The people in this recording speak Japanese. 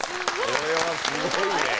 これはすごいね。